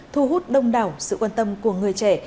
thu hút đông đảo sự quan tâm của người trẻ